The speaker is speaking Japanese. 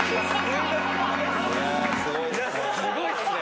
いやすごいっすね。